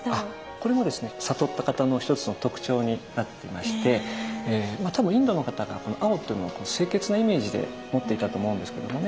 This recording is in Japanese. これもですね悟った方の一つの特徴になってまして多分インドの方がこの青というのを清潔なイメージで持っていたと思うんですけどもね。